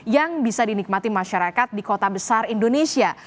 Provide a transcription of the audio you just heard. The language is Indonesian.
yang bisa dinikmati masyarakat di kota besar indonesia